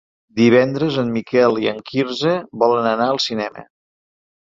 Divendres en Miquel i en Quirze volen anar al cinema.